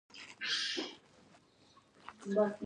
سړک یې ډامبر کړی دی.